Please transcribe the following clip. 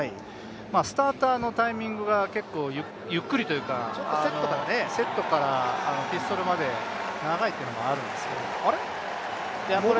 スターターのタイミングが結構ゆっくりというかセットからピストルまで長いというのはあるんですけどあれ？